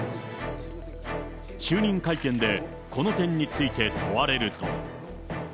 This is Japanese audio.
就任会見で、この点について問われると。